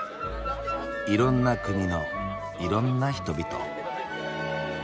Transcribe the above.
いろんな国のいろんな人々。